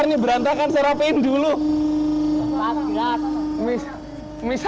mie saya dirapiin dulu deh